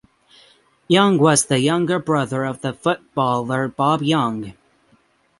Young was the younger brother of footballer Bob Young.